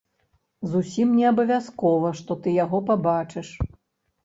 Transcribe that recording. Зусім неабавязкова, што ты яго пабачыш.